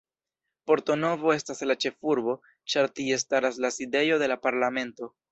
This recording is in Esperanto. Porto Novo estas la ĉefurbo, ĉar tie staras la sidejo de la Parlamento.